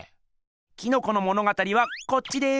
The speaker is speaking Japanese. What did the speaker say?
キノコの物語はこっちです。